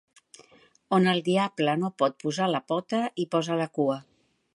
On el diable no pot posar la pota, hi posa la cua.